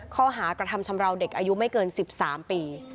ข้อหากระทำชำราวเด็กอายุไม่เกิน๑๓ปี